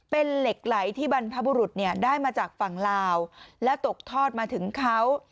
เป็นเหล็กไหลที่บรรพบุรุษได้มาจากฝั่งลาวและตกทอดมาถึงเขา